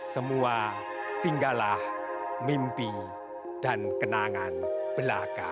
semua tinggalah mimpi dan kenangan belaka